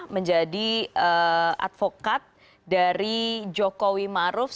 menjadi advokat dari jokowi maruf